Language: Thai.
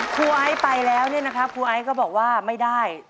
ครูไอ้ไปแล้วครูไอ้ก็บอกว่าไม่ได้